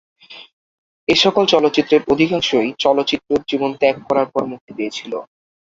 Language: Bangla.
এ সকল চলচ্চিত্রের অধিকাংশই চলচ্চিত্র জীবন ত্যাগ করার পর মুক্তি পেয়েছিল।